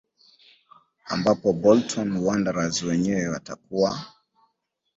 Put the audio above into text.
ambapo bolton wanderers wenyewe watakuwa